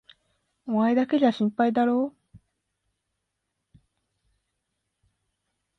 お前だけじゃ心配だろう？